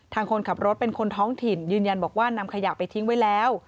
คนขับรถเป็นคนท้องถิ่นยืนยันบอกว่านำขยะไปทิ้งไว้แล้ว